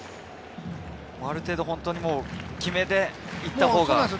ある程度、決めていったほうが。